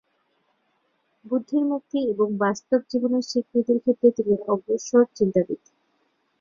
বুদ্ধির মুক্তি এবং বাস্তব জীবনের স্বীকৃতির ক্ষেত্রে তিনি অগ্রসর চিন্তাবিদ।